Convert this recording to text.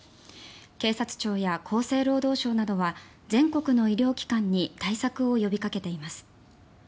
警察庁や厚生労働省などは全国の医療機関に対策を呼びかけています。